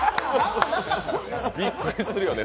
びっくりするよね